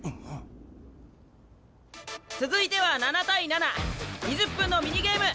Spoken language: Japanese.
続いては７対７２０分のミニゲーム。